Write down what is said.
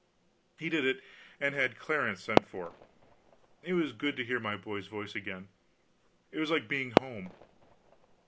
He did it, and had Clarence sent for. It was good to hear my boy's voice again. It was like being home.